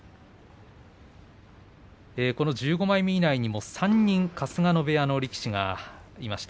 １５枚目以内にも３人春日野部屋の力士がいました。